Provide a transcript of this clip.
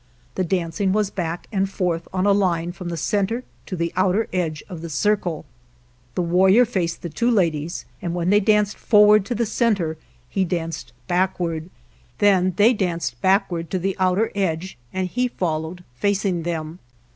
The dancing was back and forth on a line from the center to the outer edge of the circle. The warrior faced the two ladies, and when they danced for ward to the center he danced backward: then they danced backward to the outer edge and he followed facing them.